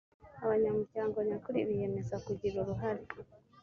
abanyamuryango nyakuri biyemeza kugira uruhare